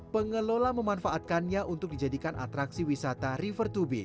pengelola memanfaatkannya untuk dijadikan atraksi wisata river tubing